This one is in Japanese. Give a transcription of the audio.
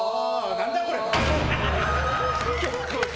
何だこれ！